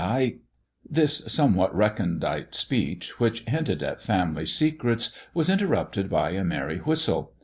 I " This somewhat recondite speech, which hinted at family secrets, was interrupted by a merry whistle.